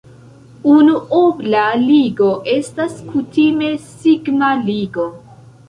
Unuobla ligo estas kutime sigma-ligo.